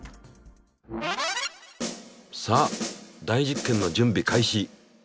さあ大実験の準備開始。